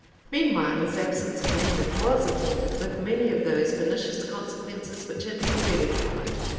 [*] Meanwhile his absence from England was attended with many of those pernicious consequences which had been dreaded from it.